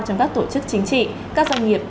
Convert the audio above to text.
trong các tổ chức chính trị các doanh nghiệp